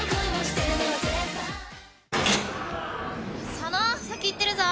佐野先行ってるぞ。